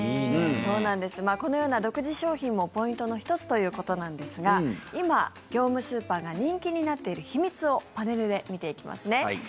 このように独自商品もポイントの１つということですが今、業務スーパーが人気になっている秘密をパネルで見ていきますね。